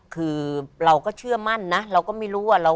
คือเราก็เชื่อมั่นนะเราก็ไม่รู้ว่า